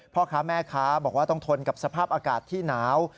พ่อค้าแม่ค้าบอกว่าต้องทนกับสภาพอากาศที่หนาว